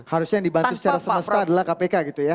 harusnya yang dibantu secara semesta adalah kpk gitu ya